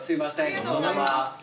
ごちそうさま。